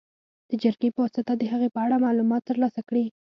د جرګې په واسطه د هغې په اړه معلومات تر لاسه کړي.